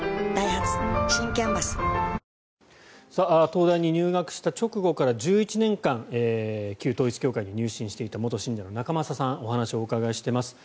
東大に入学した直後から１１年間旧統一教会に入信していた元信者の仲正さんにお話をお伺いしています。